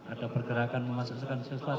ada pergerakan memasukkan sesuatu